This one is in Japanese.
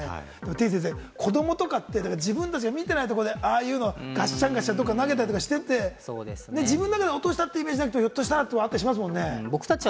てぃ先生、子どもとかって自分たちが見てないところで、ああいうのをガッシャンガッシャン投げたりしてて、自分の中で落としたイメージがなくても、ひょっとしたらってことがありますね。